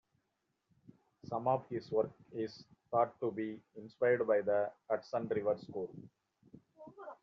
Some of his work is thought to be inspired by the Hudson River School.